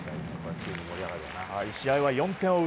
試合は４点を追う